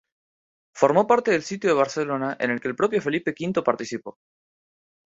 Formó parte del sitio de Barcelona, en el que el propio Felipe V participó.